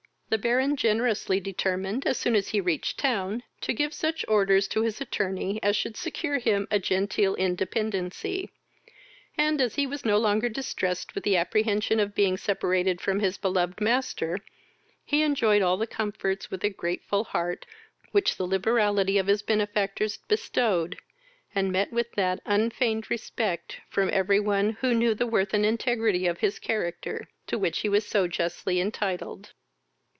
The Baron generously determined, as soon as he reached town, to give such orders to his attorney as should secure him a genteel independency; and, as he was no longer distressed with the apprehension of being separated from his beloved master, he enjoyed all the comforts, with a grateful heart which the liberality of his benefactors bestowed, and met with that unfeigned respect, from every one who knew the worth and integrity of his character, to which he was so justly entitled.